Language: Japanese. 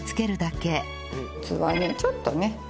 器にちょっとね